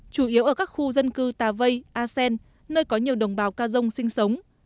chủ yếu ở các khu dân cư tà vây a sen nơi có nhiều đồng bào ca dông sinh sống